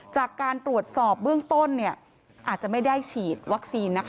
จากการตรวจสอบเบื้องต้นอาจจะไม่ได้ฉีดวัคซีนนะคะ